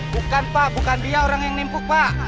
bukan pak bukan dia orang yang nimpuk pak